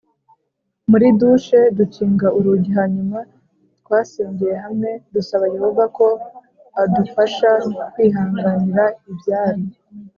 muri dushe dukinga urugi Hanyuma twasengeye hamwe dusaba Yehova ko adufasha kwihanganira ibyari